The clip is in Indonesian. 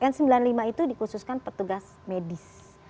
n sembilan puluh lima itu dikhususkan petugas medis